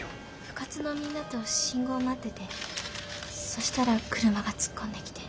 部活のみんなと信号待っててそしたら車が突っ込んできて。